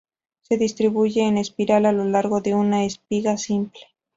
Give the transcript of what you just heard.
Se distribuyen en espiral a lo largo de una espiga simple.